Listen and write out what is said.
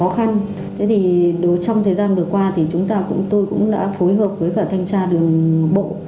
thế thì trong thời gian vừa qua thì chúng ta tôi cũng đã phối hợp với cả thanh tra đường bộ